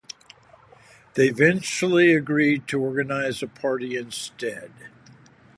They eventually agreed to organize a party instead.